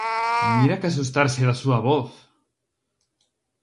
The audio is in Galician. Mira que asustarse da súa voz!